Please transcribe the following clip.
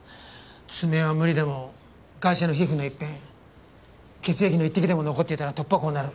爪は無理でもガイシャの皮膚の一片血液の一滴でも残っていたら突破口になる。